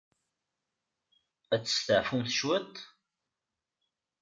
Ad testeɛfumt cwit?